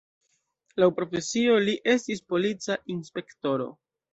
Laŭ profesio li estis polica inspektoro.